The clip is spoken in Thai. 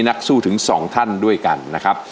นักสู้ถึงสองท่านด้วยกันนะครับ